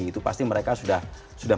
itu pasti mereka sudah